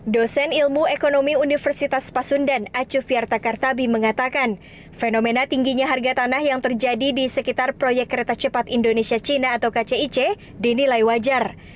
dosen ilmu ekonomi universitas pasundan acu fiartakartabi mengatakan fenomena tingginya harga tanah yang terjadi di sekitar proyek kereta cepat indonesia cina atau kcic dinilai wajar